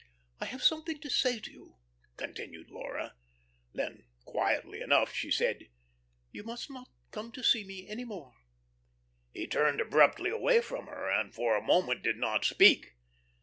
"I have something to say to you," continued Laura. Then, quietly enough, she said: "You must not come to see me any more." He turned abruptly away from her, and for a moment did not speak.